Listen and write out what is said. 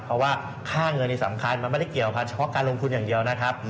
เพราะว่าค่าเงินสำคัญมันไม่ได้เกี่ยวกับเฉพาะการลงทุนอย่างเดียวนะครับ